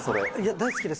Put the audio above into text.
大好きです。